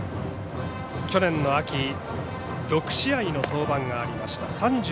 去年の秋６試合の登板がありました。